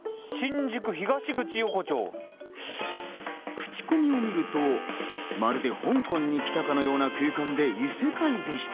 クチコミを見ると、まるで香港に来たかのような空間で異世界でした。